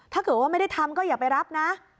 ถ้าเกิดว่าไม่ได้ทำก็อย่าไปรับนะ